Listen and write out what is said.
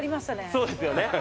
そうですよね！